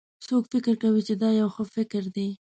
څوک فکر کوي چې دا یو ښه فکر ده